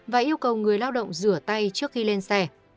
và yêu cầu người lao động rửa tay trước khi lên xe